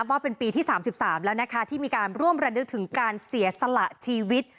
ว่าเป็นปีที่๓๓แล้วนะคะที่มีการร่วมระลึกถึงการเสียสละชีวิต